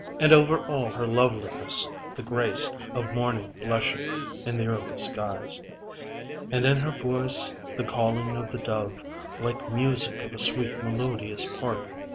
And over all her loveliness, the grace Of Morning blushing in the early skies. And in her voice, the calling of the dove; Like music of a sweet, melodious part.